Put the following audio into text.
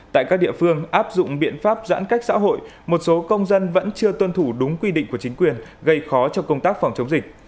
tại các địa phương áp dụng biện pháp giãn cách xã hội một số công dân vẫn chưa tuân thủ đúng quy định của chính quyền gây khó cho công tác phòng chống dịch